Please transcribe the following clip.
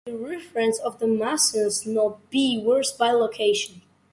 The referent of the musical note B varies by location.